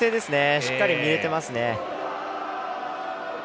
しっかり見えてますね。